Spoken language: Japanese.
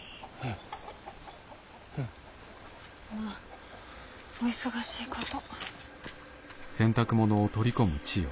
まぁお忙しいこと。